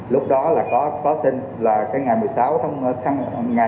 lúc đó là có xin là cái ngày một mươi bốn tháng sáu